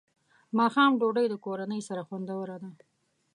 ماښام ډوډۍ د کورنۍ سره خوندوره ده.